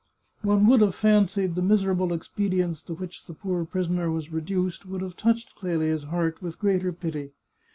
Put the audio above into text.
One would have fancied the miserable expedients to which the poor prisoner was reduced would have touched Clelia's heart with greater pity.